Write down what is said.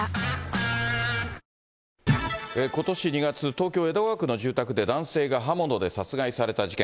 東京・江戸川区の住宅で男性が刃物で殺害された事件。